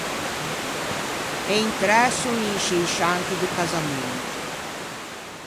E intræ son in scî scianchi do casamento.